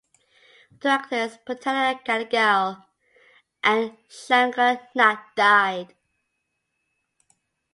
Directors Puttana Kanagal and Shankar Nag died.